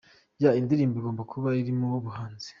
Yeah, indirimbo igomba kuba irimo ubuhanzi.